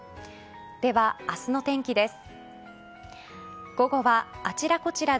では、明日の天気です。